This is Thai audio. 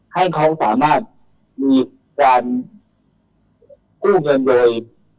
ให้เขาสามารถมีการกู้เงินโดย